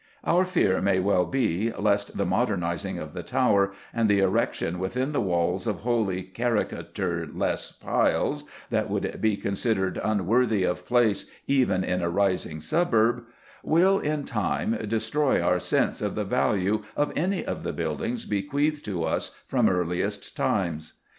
Our fear may well be lest the modernising of the Tower, and the erection within the walls of wholly characterless piles that would be considered unworthy of place even in a rising suburb, will in time destroy our sense of the value of any of the buildings bequeathed to us from earliest times.